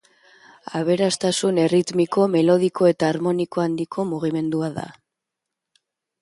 Aberastasun erritmiko, melodiko eta harmoniko handiko mugimendua da.